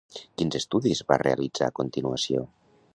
Quins estudis va realitzar a continuació?